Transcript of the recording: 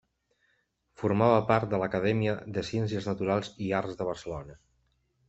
Formava part de l'Acadèmia de Ciències Naturals i Arts de Barcelona.